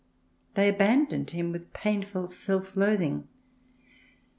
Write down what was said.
They abandoned him with painful self loathing.